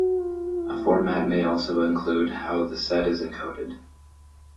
A format may also include how the set is encoded.